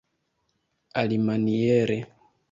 alimaniere